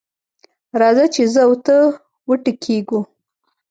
راځه چې زه او ته وټکېږو.